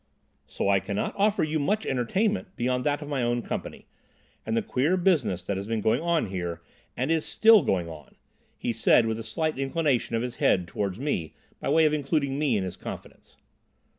"So I cannot offer you much entertainment beyond that of my own company, and the queer business that has been going on here, and is still going on," he said, with a slight inclination of the head towards me by way of including me in his confidence.